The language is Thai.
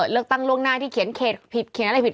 เลือกตั้งล่วงหน้าที่เขียนเขตผิดเขียนอะไรผิด